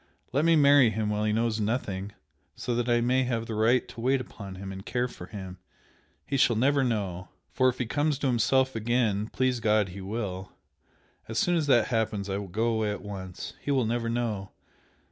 Let me marry him while he knows nothing, so that I may have the right to wait upon him and care for him! He shall never know! For if he comes to himself again please God he will! as soon as that happens I will go away at once. He will never know!